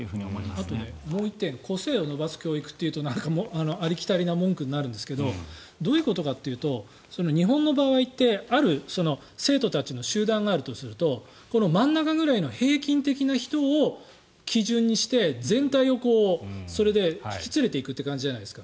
あともう１点個性を伸ばす教育というとありきたりな文句になりますがどういうことかというと日本の場合ってある生徒たちの集団があるとするとこの真ん中ぐらいの平均的な人を基準にして全体をそれで引き連れていくという感じじゃないですか。